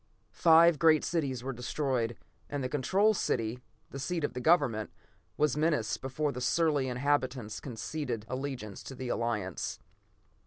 Five great cities were destroyed, and the Control City, the seat of the government, was menaced before the surly inhabitants conceded allegiance to the Alliance.